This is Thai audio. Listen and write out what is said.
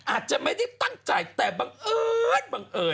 อาจจะไม่ได้ตั้งใจแต่บังเอิญ